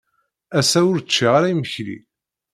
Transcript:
Ass-a, ur ččiɣ ara imekli.